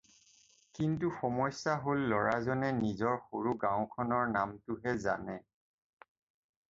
কিন্তু সমস্যা হ'ল ল'ৰাজনে নিজৰ সৰু গাওঁখনৰ নামটোহে জানে।